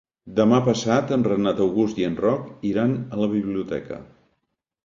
Demà passat en Renat August i en Roc iran a la biblioteca.